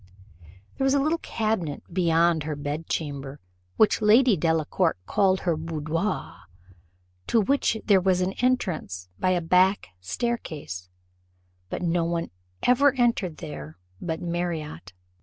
There was a little cabinet beyond her bedchamber, which Lady Delacour called her boudoir, to which there was an entrance by a back staircase; but no one ever entered there but Marriott.